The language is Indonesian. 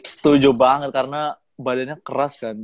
setuju banget karena badannya keras kan